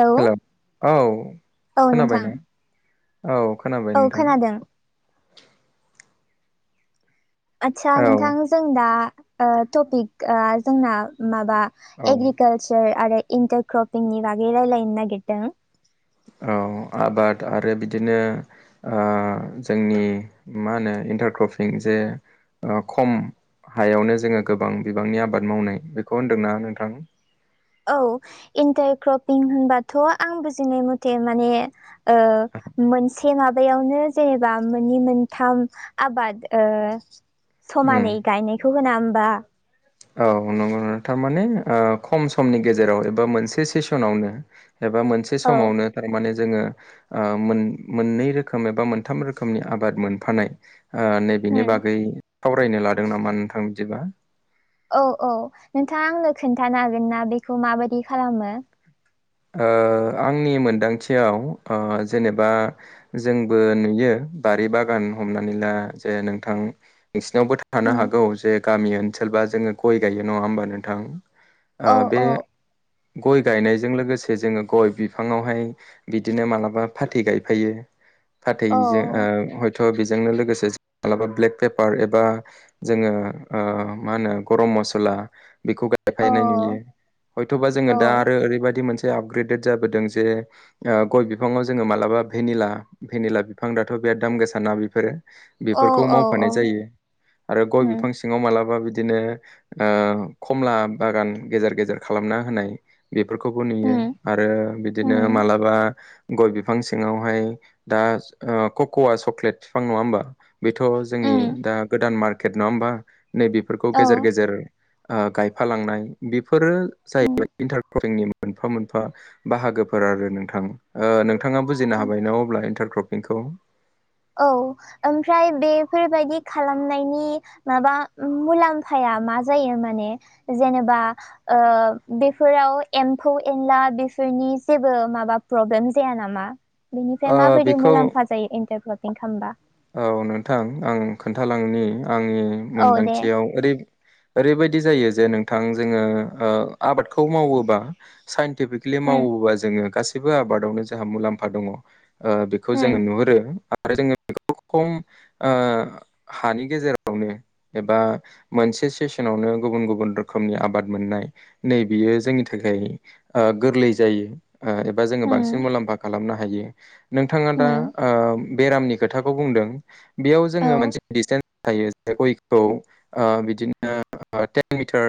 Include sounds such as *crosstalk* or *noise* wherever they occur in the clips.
Hello hello औ औ खोनाबाय नोंथां ने औ खोनाबाय औ नोंथां खोनादों आदसा औ नोंथां जों दा ओ टपिक जोंना माबा औ एग्रिकालसार चार आरो इन्टार क्रपिंनि बागै रायलायनो नागिरदों औ आबाद आरो बिदिनो ओ जोंनि मा होनो इन्टार क्रपिं जे खम हायावनो जोङो गोबां बिबांनि आबाद मावनाय बेखौ होन्दोंना नोंथां। औ इन्टार क्रपिं होनबाथ' आं बुजिनाय मथे माने ओ मोनसे माबायावनो जेनेबा मोनै मोनथाम आबाद उम समानै गायनाय बेखौ होना होमबा? औ नंगौ थारमाने ओ‌ खम समनि गेजेराव एबा मोनसे सेसनावनो एबा मोनसे औ समावनो थारमाने जोङो ओ मोननै रोखोम एबा मोनथाम रोखोमनि आबाद मोनफानाय नैबेनि उम बागै सावरायनो लादों नामा नोंथां बिदिबा। औ औ नोंथाङा आंनो खोन्थानो हागोन ना बेखौ माबायदि खालामो। ओ आंनि मोनदांथियाव ओ‌ जेनेबा जोंबो नुयो बारि बागान हमनानै ला जे नोंथां। नोंसिनावबो थानो उम हागौ जे गामि ओनसोलबा जोङो गय गायो नङा होमबा नोंथां। ओ औ बे औ गय गायनायजों लोगोसे जोङो गय बिफाङावहाय बिदिनो मालाबा फाथै गायफायो फाथैजों औ हयथ' बेजोंनो लोगोसे मालाबा ब्लेक पेपार एबा जोङो ओ मा होनो गरम मसला बेखौ दायफायनाय नुयो औ हयथ'बा औ जोङो दा आरो ओरैबायाददि मोनसे आपग्रेडेड जाबोदों जे गय बिफाङाव जोङो मालाबा भेनिला भेनिला बिफां दाथ' बिराद दाम गोसा ना बेफोरो औ बेफोरखौ औ औ मावफानाय जायो आरो गय उम बिफां सिं सिङाव मालाबा बिदिनो खमला बागान गेजेर गेजेर खालामना होनाय। बेफोरखौबो नुयो उम आरो बिदिनो उम मालाबा गय बिफां सिङावहाय दा कक'आ चक्लेट बिफां नङा होमबा बेथ' जोंनि उम दा गोदान मार्केट नङा होमबा नैबे औ गेजेर गेजेर गायफालांनाय बेफोरो उम जाहैबाय *unintelligible* मोनफा मोनफा बाहागोफोर आरो नोंथां नोंथाङा बुजिनो हाबाय ना अब्ला इन्टारक्रप बेखौ औ ओमफ्राय बेफोरबायदि खालामनायनि माबा मुलाम्फाया मा जायो माने जेनेबा ओ बेफोराव एम्फौ एनला बेफोरनि जेबो माबा प्रब्लेम जाया नामा? बेनिफ्राय ओ माबायदि बेखौ मुलाम्फा जायो इन्टारग्लपिं खालामबा? औ नोंथां आं खोन्थालांनि आंनि औ दे मोनदांथियाव ओरै ओरैबायदि जायो जे नोंथां जोङो आबादखौ मावोबा साइन्टिफिकेलि उम मावोबा जोङो गासैबो आबादावनो जोंहा मुलाम्फा दङ ओ बेखौ उम जोङो नुहुरो आरो जोङो बेखौ खम हानि गेजेरावनो एबा मोनसे सेसनावनो गुबुन गुबुन रोखोमनि आबाद मोननाय नै बियो जोंनि थाखाय ओ गोरलै जायो ओ एबा जोङो उम बांसिन मुलाम्फा खालामनो हायो नोंथाङा दा उम ओ बेरामनि खोथाखौ बुंदों बेयाव औ जोङो मोनसे सटेन्स थायो ज गयखौ ओ बिदिनो टेन मिटार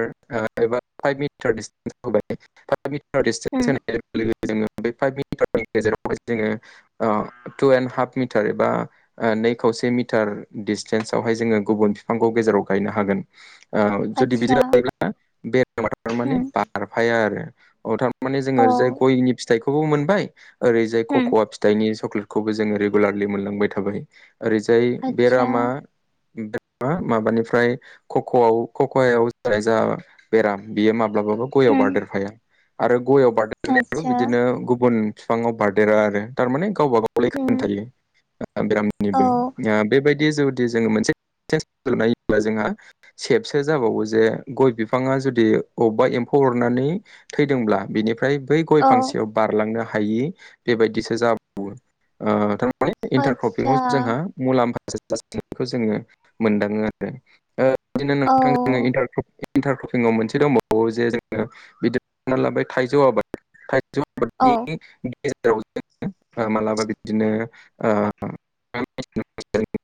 एबा फाइभ मिटार दिसटेन्स होबाय फाइभ मिटार िसटेन्स उम होनाय लोगो जोङो बे फाइभ मिटारनि गेजेरावहाय जोङो *unintelligible* ओ तु एणड हाफ मिटार एबा नै खावसे मिटार दिडस्टेन्सआवहाय जोङो गुबुन बिफांखौ गेजेराव गायनो हागोन ओ जुदि बिदि आतसा जायोब्ला बेार उम माने बारफाया आरो थार माने जोङो औ ओरैजाय गयनि फिथाइखौबो मोनबाय ओरैजाय उम खख'वा फिथाइ फिथाइनि सक्लेटखौबो जोङो रेगुलारलि मोनलांबाय थाबाय ओरैजाय आतसा बेरामा मा माबानिफ्राय खक'आव खक'ायाव जाय जा बेराम बियो माब्लाबाबो गयाव उम बारदेरफाया आरो गयाव बारदेरनायाबो आतसा बिदिनो गुबुन बिफाङाव बारदेरा आरो थारमाने गावबा गावलाय उम खोनथायायो ओ औ बेरामनिबो बेबायदि जुदि जोङो मोनसे नायोब्ला जोंहा सेबसो जाबावो जे गय बिफाङा जुदि अबेबा एम्फौ अरनानै थैदोंब्ला बिनिफ्राय बै गय औ फांसेयाव बारलांनो हायि बेबायदिसो जाबावो ओ थारमे इन्टार आतसा क्रपिंआव जोंहा मुलाम्फ जाखौ जोङो मोनदाङो आरो ओ बिदिनो औ नोंथां जों इन्टारक्रपिंआव मोनसे दंबावो जे जोङो बिदिा लाबाय थाइजौ आबाद औ खायनि *unintelligible* गेजेराव जो मालाबा बिदिनो हायो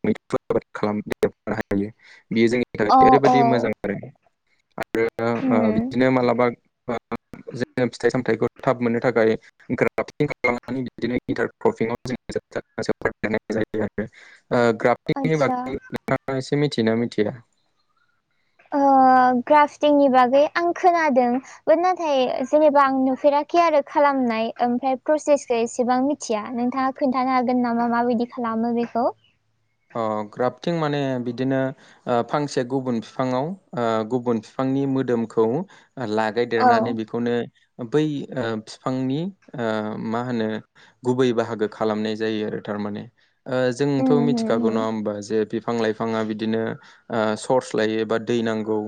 बेयो जों *unintelligible* औ थाखाय ओरैबायाददि मोजां औ आरो आरो ओ उम बिदिनो मालाबा ओ जोङो फिथाइ सामथायाइखौ थाब मोननो थाखाय ग्राफटिं खालाम नाय *unintelligible* आतसा नोंथाङा एसे मिथिनाा मिथिया ग्राफ्टिंनि बागै आं खोनादों ब नाथाय जेनेबा आं नुफेराखै आरो खालामनाय ओमफ्राय प्रसेसखौ एसेबां मिथि मिथिया नोंथाङा खोन्थानो हागोन नामा माबायदि खालामो बेखौ अ ग्राफ्टिं माने बिदिनो फांसे गुबुन बिफाङाव गुबुन बिफांनि मोदोमखौ ला औ गायदेरनानै बेखौनो बै ओ बिफांनि ओ मा होनो गुबै बाहागो खालामनाय जायो आरो थारमाने ओ उम जोंथ' मिथि उम उम बिफां लाइफाङा बिदिनो सर्स लायो बा दै नांगौ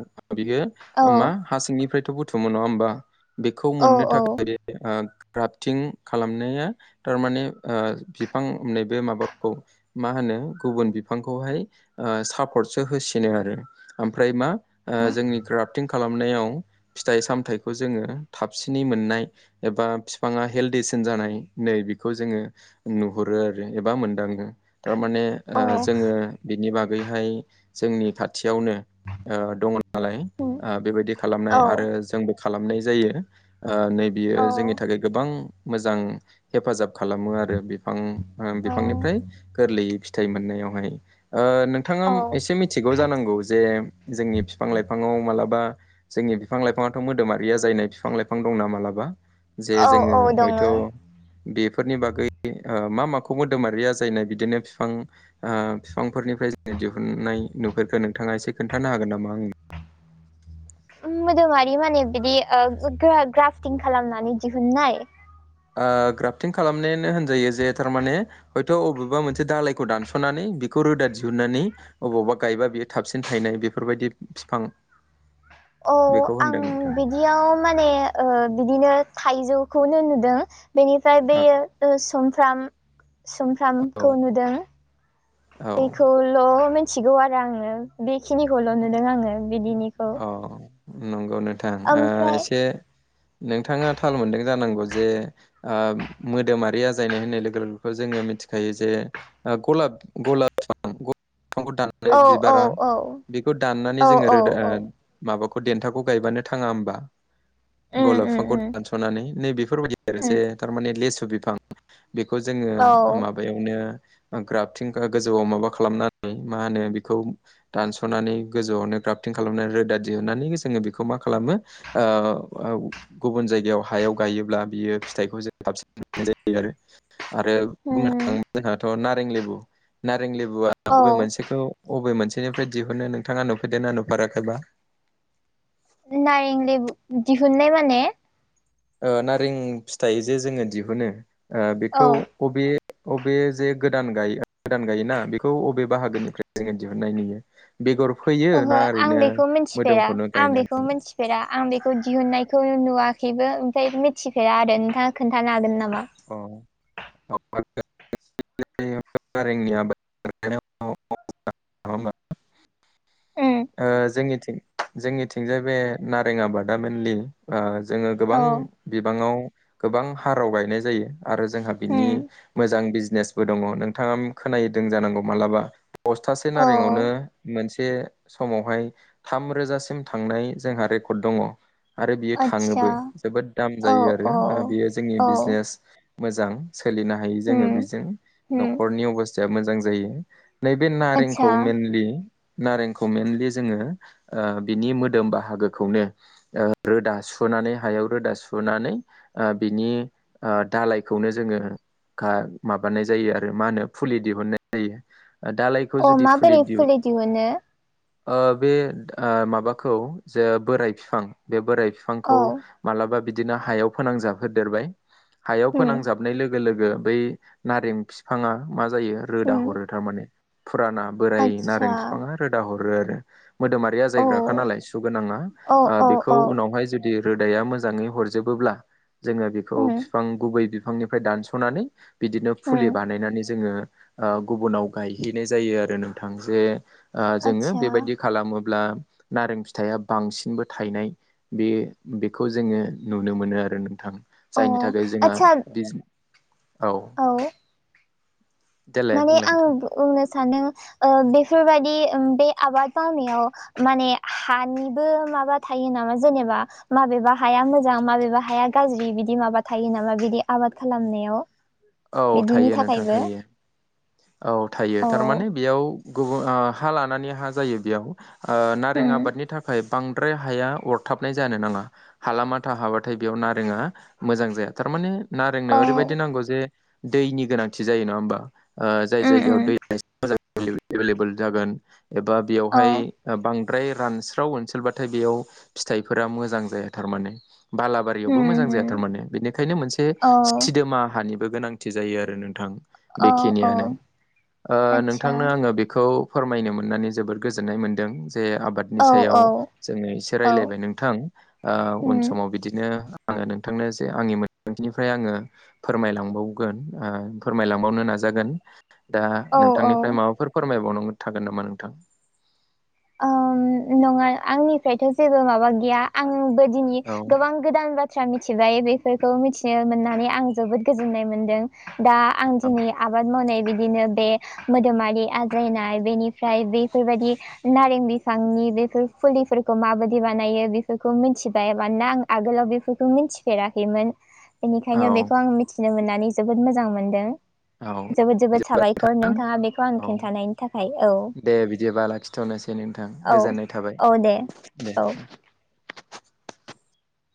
बियो औ मा हा सिंनिफ्रायथ' बुथुमो नङा होमबा बेखौ औ मोननो औ थाखाय ओ क्राफ्टिं खालामनाया थारमाने ओ बिफां नै बे माबाखौ मा होनो गुबुन बिफांखौहाय ओ सापर्टसो होसिनो आरो ओमफ्राय मा ओ जोंनि क्राफटिं खालामनायाव फिथाइ सामथायाइखौ जोङो थाबसिनै मोननाय एबा बिफाङा हेल्डिसिन जानाय नै बेखौ जोङो नुहरो आरो एबा मोनदाङो थारमाने औ जोङो बिनि बागैहाय जोंनि खाथियावनो ओ दङ नालाय उम बेबायदि खालामनाय औ आरो जोंबो खालामनाय जायो ओ नैे औ बियो जोंनि थाखाय गोबां मोजां हेफाजाब खालामो आरो बिफां औ बिफांनिफ्राय गोरलैयै फिथाइ मोननायावहाय ओ नों थाङा औ एसे मिथिगौ आच- जानांगौ जे जोंनि बिफां लाइफाङाव मालाबा जोंनि बिफां लाइफाङाथ मोदोमारि आजायनाय बिफां लाइफां दंना मालाबा जे औ जोङो औ हयथ दङो बेफोरनि बागै मा माखौ मोदोमारिया जायनाय बिदिनो बिफां ओ बिफांफोरनिफ्राय जोङो दिहुनन्नाय नुफोरखो नोंथाङा एसे खोन्थानो हागोन नामा आंनो मोदोमारि माने बिदि ओ ग्राफ्टिं खालामनानै दिहुननाय ओ ग्राफ्टिं खालामनायानो होनजायो जे थारमाने हयथ अबेबा मोनसे दालायखौ दानसनानै बेखौ रोदा दिहुननानै अबावबा गायबा बियो थाबसिन थायनाय बेफोरबायदि बिफां *inaudible* औ बेखौ आं होनदों नोंथां बिदियाव माने ओ बिदिनो थाइजौखौनो नुदों बेनिफ्राय औ बेयो सुमफ्राम औ सुमफ्रामखौ नुदों औ खौल मिथिगौ आरो आङो बेखिनिखौल नुदों आङो बिदिनिखौ औ नंगौ नोंथां ओ ओमफ्राय एसे नोंथाङा थाल मोनदों जानांगौ जे ओ मोदोमारि आजायनाय होननाय लोगो लोगोथ जोङो मिथिखायो जे गलाब गलाां गां द *unintelligible* औ औ बिबारा औ बेखौ दाननानै औ जोङो औ रोदा औ ओ माबाखौ देन्थाखौ गायबानो थाङा होमबा उम गलाब उम बिफांखौ उम दानसनानै नै बेफोरबायदि आरो जे उम थारमाने लेसु बिफां बेखौ जोङो औ माबा यावनो ग्राफटिं गोजौआव माबा खालामनानै मा होनो बेखौ दानसनानै गोजौआवनो ग्राफटिं खालामनानै रोदा दिहुननानै जोङो बेखौ मा खालामो ओ गुबुन जायगायाव हायाव गायोब्ला बियो फिथाइखौ साबसिन मोननाय जायो आरो आरो बुंनो उम थाङोबा जोंहाथ नारें लेबु नारें लेबुआ औ बबे मोनसेखौ अबे मोनसेनिफ्राय दिहुनो नोंथाङा नुफैदेरना नुफाराखैबा नारें लेबु दिहुननाय माने नारें फिथाइ जे जोङो दिहुनो ओ बेखौ औ बबे अबे जे गोदान गायो गोदान गायोना बेखौ अबे बाहागोनिफ्राय जोङो दिहुननाय नुयो बेगर फैयो ओहो ना आं ओरैनो मोदोमखौनो गायनानै फोरा आं बेखौ दिहुननायखौ नुवाखैबो ओमफ्राय मिथिफेरा आरो नोंथाङा खोन्थानो हागोन नामा अ *inaudible* *unintelligible* उम ओ जोंनिथिं जोंनिथिंजाय बे नारें आबादा मइेनलि ओ जोङो गोबां औ बिबाङाव गोबां हाराव गायनाय जायो आरो जोंहा बिनि उम मोजां बिजनेसबो दङ नोंथाङा खोनदों जानांगौ मालाबा बस्थासे औ नारेंआवनो मोनसे समावहाय थामरोजासिम थांनाय जोंहा रेकर्ड दङ आरो बियो आतसा थाङोबो जोबोद दाम औ जायो आरो औ बियो जोंनि औ बिजनेस मोजां सोलिनो हायो उम जोङो बेजों उम न'खरनि अबस्थाया मोजां जायो। नैबे आतसा नारेंखौ मेनलि नारेंखौ मेनलि जोङो ओ बिनि मोदोम बाहागोखौनो ओ रोदा सुनानै हायाव रोदा सुनानै बिनि ओ दालायखौनो जोङो माबानाय जायो आरो मा होनो फुलि दिहुननाय जायो। दालाय अ माबोरै फुलि दिहुनो? बे माबाखौ जे बोराय बिफां बे बोराय बिफांखौ औ मालाबा बिदिनो हायाव फोनांजाबहोदेरबाय हायाव उम फोनांजाबनाय लोगो लोगो बै नारें फिफाङा मा जायो रोदा उम हरो थारमाने फुराना बोराय आतसा नारें फिफाङा रोजा हरो आरो मोदोमारि औ आजायग्राखा नालाय सु गोनांना औ औ बेखौ औ उनावहाय जे रोदाया मोजाङै हरजोबोब्ला जोङो बेखौ उम फिफां गु गुबै बिफांनिफ्राय दानस'नानै बिदिनो फुलि उम बानायनानै जोङो ओ गुबुनाव गायहैनाय जायो आरो नोंथां जे जोङो ओ आतसा बेबायदि खालामोब्ला नारें फिथाया बांसिनबो थायनाय बे बेखौ जोङो नुनो मोनो आरो नोंथां। औ जायनि थाखाय जोंहा आतसा बिज औ। देलाय माने बुंलाय आं नोंथां बुंनो सानदों ओ बेफोरबादि बे आबाद मावनायाव। माने हानिबो माबा थायो नामा जेनेबा। माबेबा हाया मोजां माबेबा हाया गाज्रि बिदि माबा थायो नामा बिदि आबाद खालामनायाव। औ बिदिनि थायो नोंथां थाखायबो थायो। औ थायो औ थारमाने बेयाव गुबुन हा लानानै हा जायो बेयाव। ओ नारें उम आबादनि थाखाय बांद्राय हाया अरथाबनाय जानो नाङा। हालामा हाबाथाय बेयाव नारेङा मोजां जाया थारमाने नारेंनो औ ओरैबायदि नांगौ जे दैनि गोनांथि जायो नङा होमबा ओ जाय उम जायगायाव उम दै *unintelligible* एभेलेबेल जागोन एबा औ बेयावहाय बांद्राय रानस्राव ओसोलबाथाय बेयाव फिथाइफोरा मोजां जाया थारमाने बालाबा बोरियावबो मोजां उम जाया उम थारमाने बेनिखायनो मोनसे औ सिदोमा हानिबो गोनांथि जायो आरो नोंथां। औ औ बेखिनियानो ओ आतसा नोंथांनो आङो बेखौ। फोरमायनो मोननानै जोबोद गोजोननाय मोनदों जे आबाद बिनि औ सायाव औ जोङो एसे औ रायलायबाय नोंथां उन उम समाव बिदिनो आङो नोंथांनो जे आंनि मोनथिनिफ्राय आङो फोरमायलां ओ फोरमायलांबावनो नाजागोन दा औ औ नोंथांनिफ्राय माबाफोर फोरमायबावनांगौ थागोन नामा नोंथां? ओ नङा आंनिफ्रायथ' जेबो माबा गैया आंबो दिनै औ गोबां गोदान बाथ्रा मिथिबाय बेफोरखौ मिथिनो मोननानै आं जोबोद गोजोननाय मोनदों। दा आं औ दिनै आबाद मावनाय बिदिनो बे मोदोमारि आजायनाय बेनि फाय बेफोरबादि नारें बिफांनि बेफोर फुलिफोरखौ माबायदि बानायो बेफोरखौ मिथिबाय मानोना आं आगोलाव बेफोरखौ मिथिफेराखैमोन। बेनिखायनो बेखौ औ आं मिथिनो मोननानै जोबोद मोजां मोनदों। औ जोबोद जोबोद बिदिब्ला साबायखर नोंथां नोंथाङा बेखौ आंनो औ खिन्थानायनि थाखाय औ। दे बिदिबा लाखिथ'नोसै नोंथां औ गोजोननाय थाबाय औ दे दे। औ